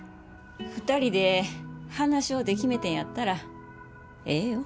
２人で話し合うて決めてんやったらええよ。